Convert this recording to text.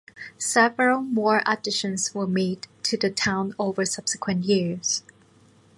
Several more additions were made to the town over subsequent years.